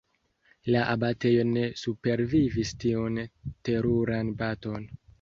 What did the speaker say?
La abatejo ne supervivis tiun teruran baton.